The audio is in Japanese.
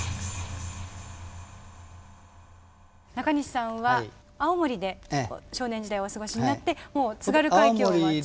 なかにしさんは青森で少年時代をお過ごしになってもう津軽海峡は近くにあった。